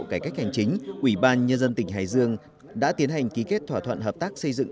cải cách hành chính ủy ban nhân dân tỉnh hải dương đã tiến hành ký kết thỏa thuận hợp tác xây dựng